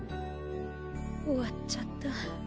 終わっちゃった。